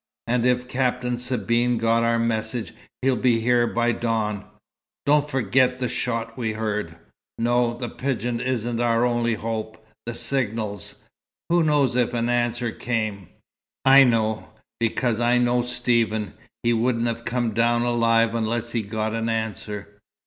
And if Captain Sabine got our message, he'll be here by dawn." "Don't forget the shot we heard." "No. But the pigeon isn't our only hope. The signals!" "Who knows if an answer came?" "I know, because I know Stephen. He wouldn't have come down alive unless he'd got an answer."